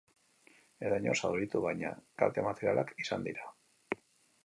Ez da inor zauritu, baina kalte materialak izan dira.